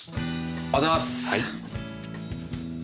ありがとうございます。